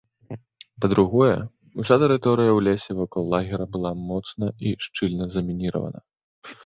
Па-другое, уся тэрыторыя ў лесе вакол лагера была моцна і шчыльна замініравана.